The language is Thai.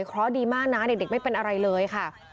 เพราะดีมากนะเด็กไม่เป็นอะไรเลยค่ะ